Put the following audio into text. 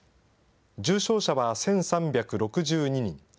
重症者は１３６２人。